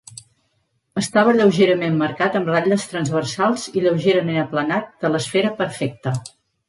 Estava lleugerament marcat amb ratlles transversals i lleugerament aplanat de l'esfera perfecta.